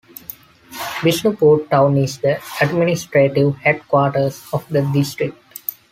Bishnupur town is the administrative headquarters of the district.